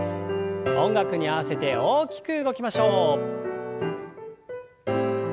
音楽に合わせて大きく動きましょう。